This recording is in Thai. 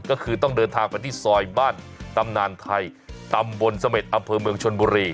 ก็คือต้องเดินทางไปที่ซอยบ้านตำนานไทยตำบลเสม็ดอำเภอเมืองชนบุรี